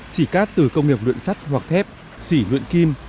chỉ cát từ công nghiệp luyện sắt hoặc thép xỉ luyện kim